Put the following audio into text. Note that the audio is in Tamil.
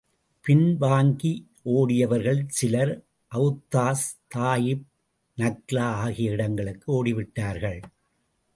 பின் வாங்கி ஓடியவர்களில் சிலர் அவுத்தாஸ், தாயிப், நக்லா ஆகிய இடங்களுக்கு ஓடிவிட்டார்கள்.